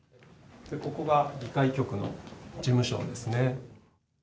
ここが議会局の事務所ですね。